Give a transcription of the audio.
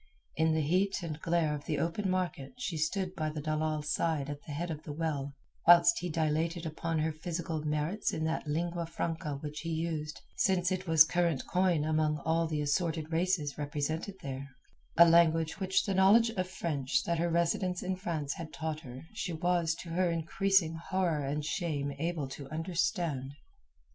In the heat and glare of the open market she stood by the dalal's side at the head of the well, whilst he dilated upon her physical merits in that lingua franca which he used since it was current coin among all the assorted races represented there—a language which the knowledge of French that her residence in France had taught her she was to her increasing horror and shame able to understand.